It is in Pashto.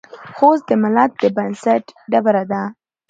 خوست د ملت د بنسټ ډبره ده.